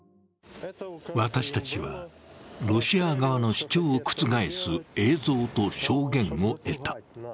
私たちは、ロシア側の主張を覆す映像と証言を得た。